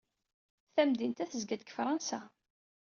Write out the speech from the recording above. Tamdint-a tezga-d deg Fṛansa.